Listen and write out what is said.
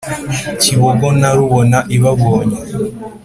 kibogo na rubona ibabonye